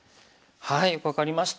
よく分かりました。